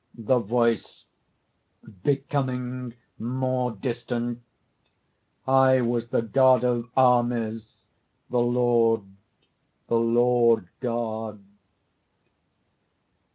(The voice, becoming more distant): "I was the God of Armies; the Lord, the Lord God!"